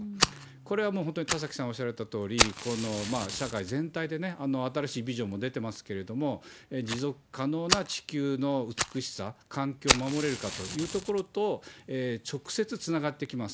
これはもう、本当に田崎さんおっしゃられたとおり、社会全体で新しいビジョンも出てますけれども、持続可能な地球の美しさ、環境を守れるかというところと直接つながってきます。